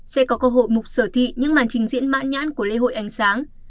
sẽ có cơ hội mục sở thị những màn trình diễn mãn nhãn của lễ hội ánh sáng